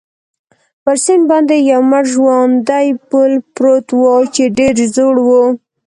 پر سیند باندې یو مړ ژواندی پل پروت وو، چې ډېر زوړ وو.